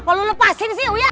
apa lo lepasin sih uya